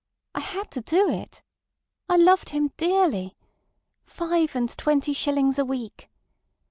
I had to do it. I loved him dearly. Five and twenty shillings a week!